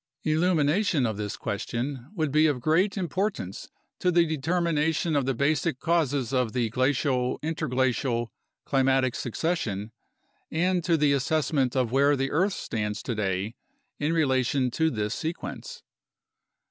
Illumination of this question would be of great importance to the determination of the basic causes of the glacial interglacial climatic succession and to the assessment of where the earth stands today in relation to this sequence.